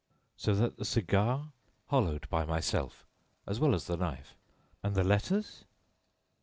"So that the cigar...." "Hollowed by myself, as well as the knife." "And the letters?"